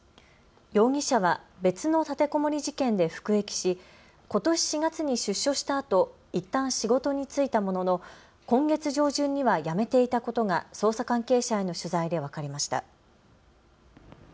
容疑者は別の立てこもり事件で服役し、ことし４月に出所したあといったん仕事に就いたものの今月上旬には辞めていたことが捜査関係者への取材で分かりました。